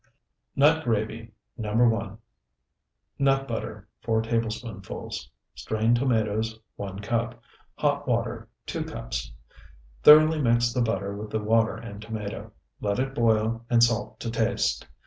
NUT GRAVY NO. 1 Nut butter, 4 tablespoonfuls. Strained tomatoes, 1 cup. Hot water, 2 cups. Thoroughly mix the butter with the water and tomato. Let it boil, and salt to taste.